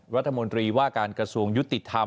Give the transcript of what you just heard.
รัฐมนตรีว่าการกระทรวงยุติธรรม